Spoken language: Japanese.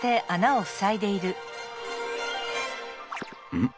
うん？